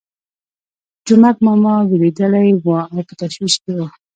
جومک ماما وېرېدلی وو او په تشویش کې وو.